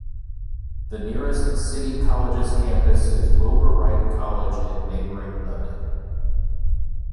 The nearest City Colleges campus is Wilbur Wright College in neighboring Dunning.